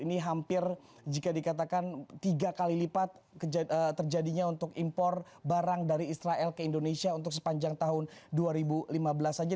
ini hampir jika dikatakan tiga kali lipat terjadinya untuk impor barang dari israel ke indonesia untuk sepanjang tahun dua ribu lima belas saja